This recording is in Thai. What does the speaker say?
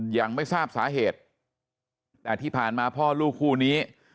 ยังไม่ทราบสาเหตุแต่ที่ผ่านมาพ่อลูกคู่นี้